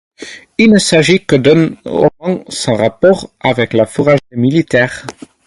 Il ne s'agit que d'un ornement sans rapport avec la fourragère des militaires.